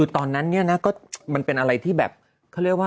ตอนนั้นมันเป็นอะไรที่คือ